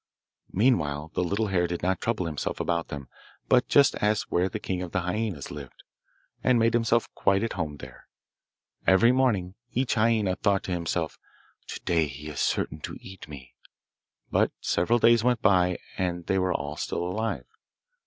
Meanwhile the little hare did not trouble himself about them, but just asked where the king of the hyaenas lived, and made himself quite at home there. Every morning each hyaena thought to himself, 'To day he is certain to eat me;' but several days went by, and they were all still alive.